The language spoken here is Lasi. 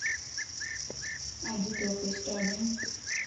اچ توک اسٽار ڏين